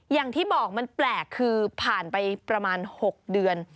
อย่างที่บอกมันแปลกคือผ่านไปประมาณ๖เดือน